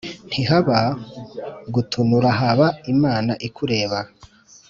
Ntihaba gutunura haba Imana ikurebera.